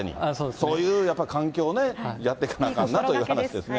そういう環境をやってかなあかんなという話ですね。